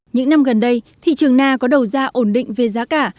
những năm gần đây thị trường na có đầu ra ổn định về giá cả